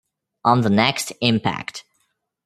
On the next Impact!